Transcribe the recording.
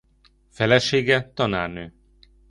Felesége tanárnő.